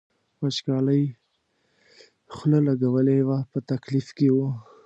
وچکالۍ خوله لګولې وه په تکلیف کې و.